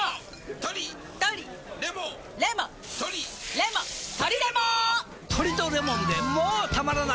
トリとレモンでもたまらない